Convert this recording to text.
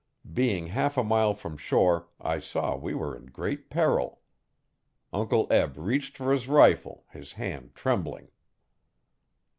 Being half a mile from shore I saw we were in great peril. Uncle Eb reached for his rifle, his hand trembling.